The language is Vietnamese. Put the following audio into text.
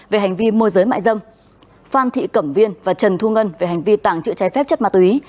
về hành vi môi giới mại dâm phan thị cẩm viên và trần thu ngân về hành vi tạng chữa trái phép chất mát tuy